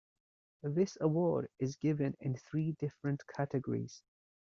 This award is given in three different categories.